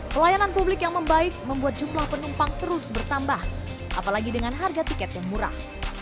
pelayanan publik yang membaik membuat jumlah penumpang terus bertambah apalagi dengan harga tiket yang murah